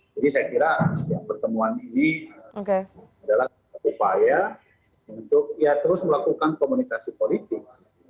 jadi saya kira pertemuan ini adalah upaya untuk ya terus melakukan komunikasi politik